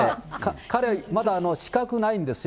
彼、まだ資格ないんですよ。